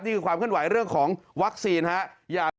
นี่คือความขึ้นไหวเรื่องของวัคซีนนะฮะ